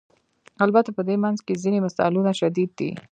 البته په دې منځ کې ځینې مثالونه شدید دي.